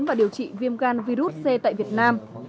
và điều trị viêm gan virus c tại việt nam